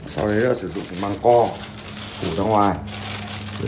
sau đấy là sử dụng cái măng co từ ra ngoài